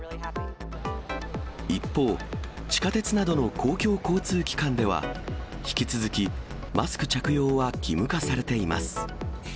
一方、地下鉄などの公共交通機関では、引き続きマスク着用は義務化されています。